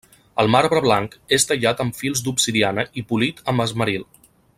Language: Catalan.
El marbre blanc és tallat amb fils d'obsidiana i polit amb esmeril.